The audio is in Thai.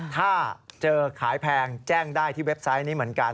ถ้าเจอขายแพงแจ้งได้ที่เว็บไซต์นี้เหมือนกัน